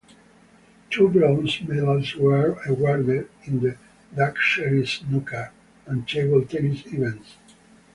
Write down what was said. Two bronze medals were awarded in the dartchery, snooker and table tennis events.